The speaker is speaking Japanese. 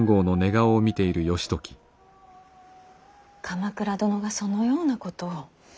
鎌倉殿がそのようなことを。